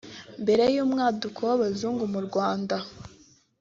Mbere y’umwaduko w’Abazungu mu Rwanda